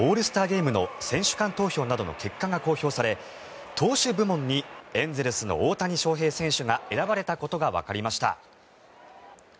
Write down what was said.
ゲームの選手間投票などの結果が公表され投手部門にエンゼルスの大谷翔平選手が選ばれたことがわかりました。